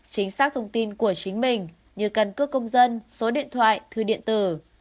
chính xác thông tin của chính mình như căn cước công dân số điện thoại thư điện tử